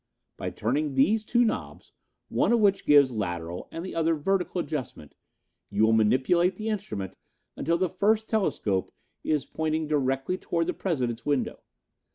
By turning these two knobs, one of which gives lateral and the other vertical adjustment, you will manipulate the instrument until the first telescope is pointing directly toward the President's pillow.